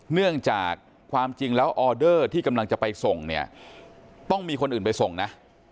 เนื่องจากความจริงแล้วออเดอร์ที่กำลังจะไปส่งเนี่ยต้องมีคนอื่นไปส่งนะ